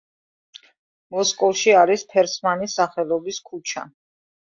მოსკოვში არის ფერსმანის სახელობის ქუჩა.